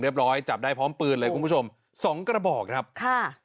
ร้อยจับได้พร้อมปืนเลยคุณผู้ชมสองกระบอกครับค่ะ